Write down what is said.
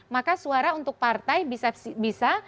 maka suara untuk partai bisa